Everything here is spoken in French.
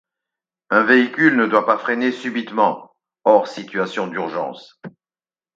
Un véhicule ne doit pas freiner subitement hors situation d’urgence.